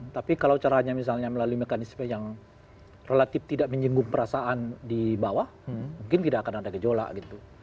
tapi kalau caranya misalnya melalui mekanisme yang relatif tidak menyinggung perasaan di bawah mungkin tidak akan ada gejolak gitu